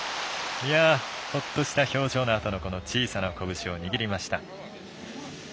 ほっとした表情のあと小さな拳を握りました。